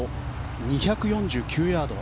２４９ヤード。